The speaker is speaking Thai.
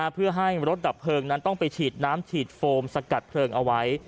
เพื่อให้รถดับเพลิงนั้นต้องไปฉีดน้ำฉีดโฟมสกัดเพลิงเอาไว้